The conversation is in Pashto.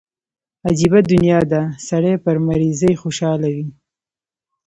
عجبه دنيا ده سړى پر مريضۍ خوشاله وي.